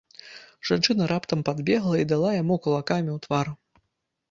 Жанчына раптам падбегла і дала яму кулакамі ў твар.